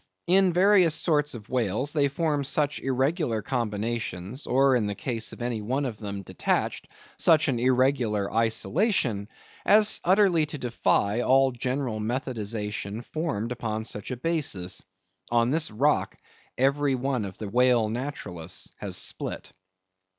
In various sorts of whales, they form such irregular combinations; or, in the case of any one of them detached, such an irregular isolation; as utterly to defy all general methodization formed upon such a basis. On this rock every one of the whale naturalists has split.